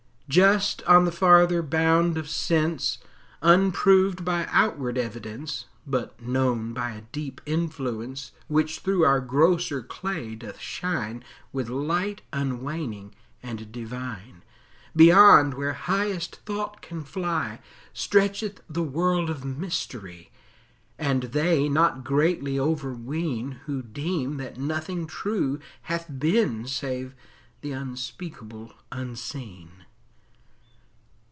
Just on the farther bound of sense, Unproved by outward evidence, But known by a deep influence Which through our grosser clay doth shine With light unwaning and divine, Beyond where highest thought can fly Stretcheth the world of Mystery And they not greatly overween Who deem that nothing true hath been Save the unspeakable Unseen.